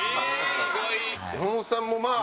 山本さんも、まあ。